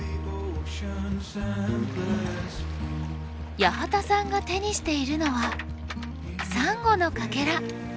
八幡さんが手にしているのはサンゴのかけら。